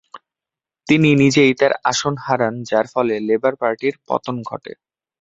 তিনি নিজেই তাঁর আসন হারান, যার ফলে লেবার পার্টির পতন ঘটে।